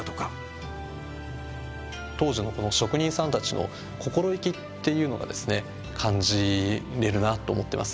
当時のこの職人さんたちの心意気っていうのがですね感じれるなと思ってます。